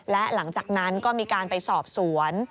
และหลังจากนั้นก็มีการไปสอบสวน